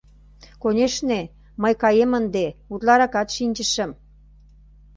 Конешне, мый каем ынде, утларакат шинчышым...